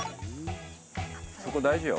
そこ大事よ。